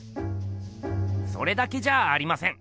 それだけじゃありません！